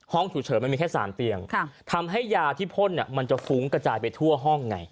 ฉุกเฉินมันมีแค่๓เตียงทำให้ยาที่พ่นมันจะฟุ้งกระจายไปทั่วห้องไง